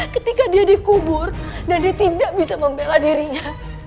ketika dia dikubur dan dia tidak bisa membela dirinya